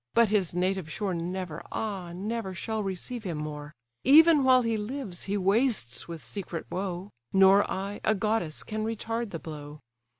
but his native shore Never, ah never, shall receive him more; (Even while he lives, he wastes with secret woe;) Nor I, a goddess, can retard the blow!